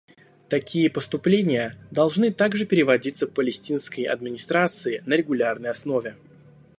Такие поступления должны также переводиться Палестинской администрации на регулярной основе.